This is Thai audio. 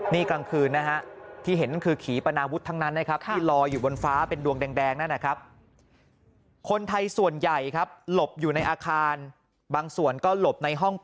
นี่กลางคืนที่เห็นคือขี่ปนาวุฒิทั้งนั้นนะครับ